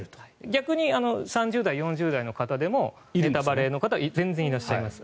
逆に３０代４０代の方でも、ネタバレの方全然いらっしゃいます。